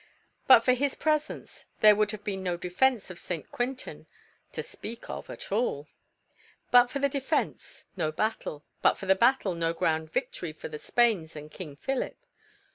But for his presence, there would have been no defence of St. Quentin, to speak of, at all; but for the defence, no battle; but for the battle, no grand victory for the Spains and King Philip.